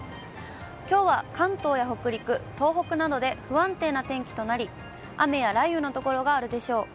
きょうは関東や北陸、東北などで不安定な天気となり、雨や雷雨の所があるでしょう。